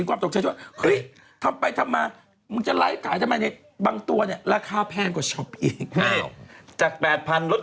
อ้าวตายอ่านโอเค